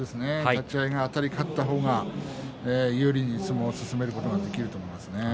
立ち合い、あたり勝った方が有利に相撲を進めることができますね。